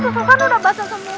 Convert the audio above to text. susan udah basah semua